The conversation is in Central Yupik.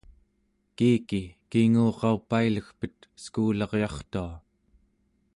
kiiki kinguraupailegpet eskuularyartua!